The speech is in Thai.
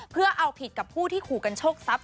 เพื่อเอาผิดกับผู้ที่ขู่กันโชคทรัพย